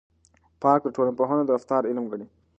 پارک ټولنپوهنه د رفتار علم ګڼي.